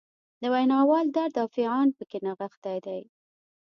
د ویناوال درد او فعان پکې نغښتی دی.